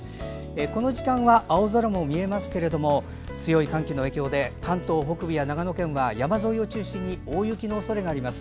この時間は青空も見えますけれども強い寒気の影響で関東北部や長野県は山沿いを中心に大雪のおそれがあります。